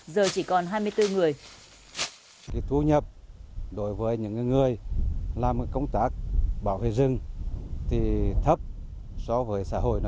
giờ chỉ còn hai mươi bốn người thì thu nhập đối với những người làm công tác bảo vệ rừng thì thấp so với xã hội